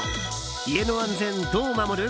家の安全、どう守る？